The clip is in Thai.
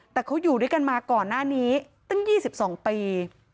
แต่เขาอยู่ด้วยกันมาก่อนหน้านี้ตั้ง๒๒ปี